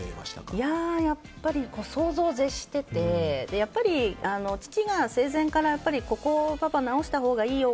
いや、やっぱり想像を絶しててやっぱり父が生前からここを直したほうがいいよ